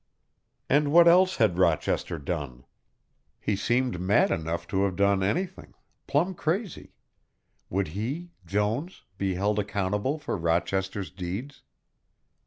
And what else had Rochester done? He seemed mad enough to have done anything, plum crazy would he, Jones, be held accountable for Rochester's deeds?